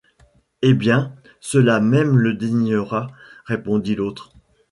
Eh bien! cela même le désignera ! répondit l’autre.